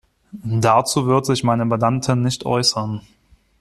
Dazu wird sich meine Mandantin nicht äußern.